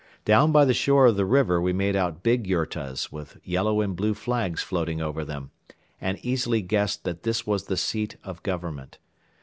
Down by the shore of the river we made out big yurtas with yellow and blue flags floating over them and easily guessed that this was the seat of government.